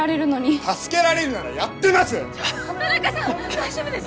大丈夫ですか？